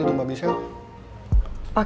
liur gue makan malam tardi